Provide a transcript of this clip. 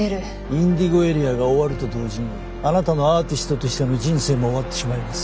ＩｎｄｉｇｏＡＲＥＡが終わると同時にあなたのアーティストとしての人生も終わってしまいます。